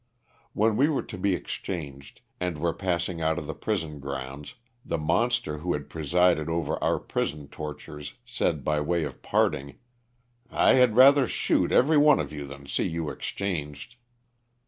When we were to be exchanged and were passing out of the prison grounds the monster who had presided over our prison tortures said by way of parting, *' I had rather shoot every one of you than see you exchanged."